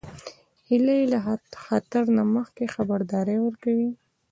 هیلۍ له خطر نه مخکې خبرداری ورکوي